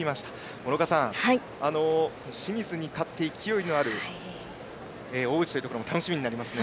諸岡さん、清水に勝って勢いのある大内というところも楽しみになりますね。